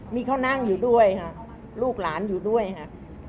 มีเขานั่งอยู่ด้วยค่ะลูกหลานอยู่ด้วยค่ะ